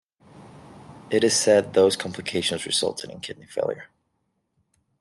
It is said those complications resulted in kidney failure.